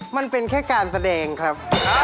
มันเป็นแค่การแสดงครับ